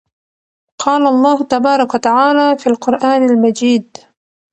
قال الله تبارك وتعالى فى القران المجيد: